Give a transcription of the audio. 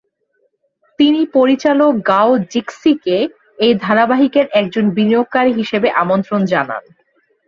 তিনি পরিচালক গাও জিক্সিকে এই ধারাবাহিকের একজন বিনিয়োগকারী হিসেবে আমন্ত্রণ জানান।